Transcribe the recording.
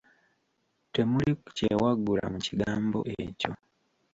Temuli kyewaggula mu kigambo ekyo.